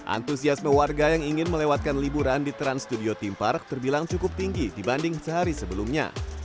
antusiasme warga yang ingin melewatkan liburan di trans studio theme park terbilang cukup tinggi dibanding sehari sebelumnya